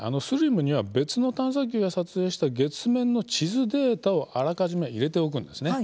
ＳＬＩＭには別の探査機が撮影した月面の地図データをあらかじめ入れておくんですね。